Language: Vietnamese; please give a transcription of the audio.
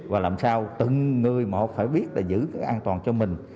và làm sao từng người một phải biết là giữ cái an toàn cho mình